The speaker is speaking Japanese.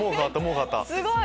すごい！